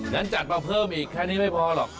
งั้นจัดมาเพิ่มอีกแค่นี้ไม่พอหรอก